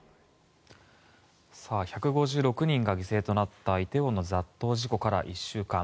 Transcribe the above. １５６人が犠牲となったイテウォンの雑踏事故から１週間。